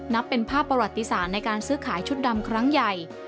นับเป็นภาพประวัติศาสตร์ในการซื้อขายชุดดำครั้งใหญ่